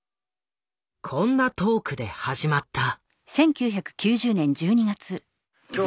こんなトークで始まった。